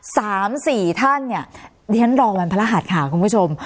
สามสี่ท่านเนี่ยเดี๋ยวฉันรองวันพระหัสข่าวคุณผู้ชม